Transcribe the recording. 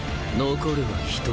残るは１人。